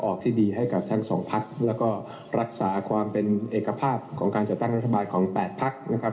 ที่ดีให้กับทั้งสองพักแล้วก็รักษาความเป็นเอกภาพของการจัดตั้งรัฐบาลของ๘พักนะครับ